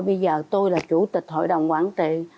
bây giờ tôi là chủ tịch hội đồng quản trị